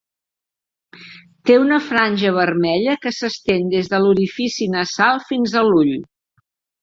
Té una franja vermella que s'estén des de l'orifici nasal fins a l'ull.